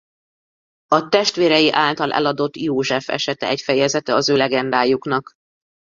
A testvérei által eladott József esete egy fejezete az ő legendájuknak.